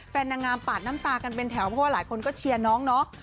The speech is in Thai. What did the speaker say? นางงามปาดน้ำตากันเป็นแถวเพราะว่าหลายคนก็เชียร์น้องเนาะ